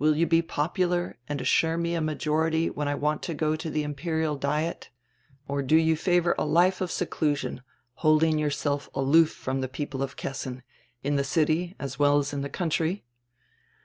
Will you be popular and assure me a majority when I want to go to die Imperial Diet? Or do you favor a life of seclusion, holding yourself aloof from die people of Kessin, in the city as well as in die country?"